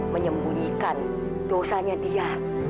menyembunyikan dosanya dia